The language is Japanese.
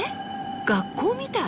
学校みたい。